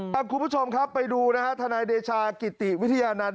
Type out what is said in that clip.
ครับคุณผู้ชมไปดูถนายเดชากริติวิทยานัน